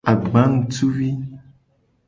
Agbanutuvi.